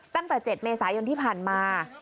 ตั้งแต่๗เมษายนที่ผ่านมา